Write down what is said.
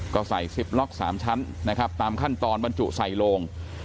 ก็ใส่๑๐ล็อก๓ชั้นนะครับตามขั้นตอนบรรจุใส่โลง